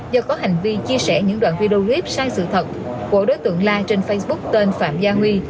do có hành vi chia sẻ những đoạn video clip sai sự thật của đối tượng lan trên facebook tên phạm gia huy